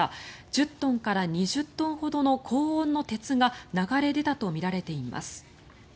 １０トンから２０トンほどの高温の鉄が流れ出たとみられています。